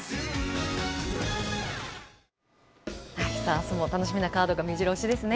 あすも楽しみなカードがめじろ押しですね。